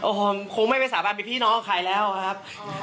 โอ้โหคงไม่ไปสาบานไปพี่น้องใครแล้วครับ